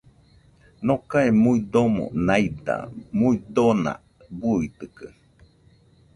Nocae muidomo naida muidona, buidɨkaɨ